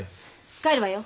帰るわよ。